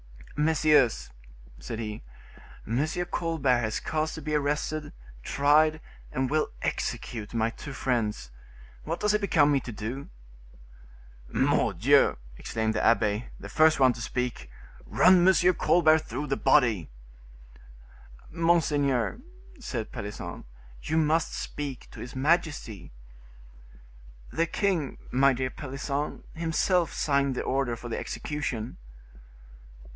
"Messieurs," said he, "M. Colbert has caused to be arrested, tried and will execute my two friends; what does it become me to do?" "Mordieu!" exclaimed the abbe, the first one to speak, "run M. Colbert through the body." "Monseigneur," said Pelisson, "you must speak to his majesty." "The king, my dear Pelisson, himself signed the order for the execution."